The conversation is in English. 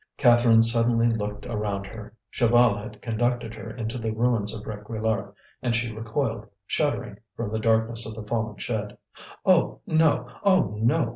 Catherine suddenly looked around her. Chaval had conducted her into the ruins of Réquillart and she recoiled, shuddering, from the darkness of the fallen shed. "Oh! no! oh, no!"